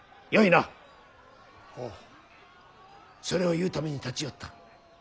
それを言うために立ち寄った。